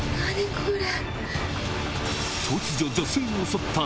これ。